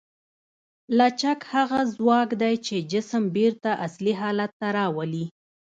لچک هغه ځواک دی چې جسم بېرته اصلي حالت ته راولي.